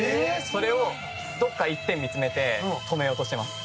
それをどこか１点見つめて止めようとしてます。